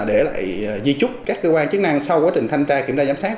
để lại di chúc các cơ quan chức năng sau quá trình thanh tra kiểm tra giám sát